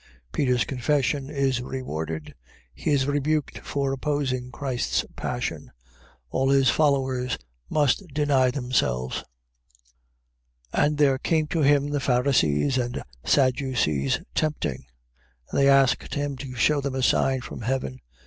Peter's confession is rewarded. He is rebuked for opposing Christ's passion. All his followers must deny themselves. 16:1. And there came to him the Pharisees and Sadducees tempting: and they asked him to shew them a sign from heaven.